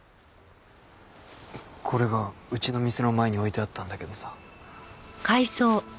これがうちの店の前に置いてあったんだけどさ。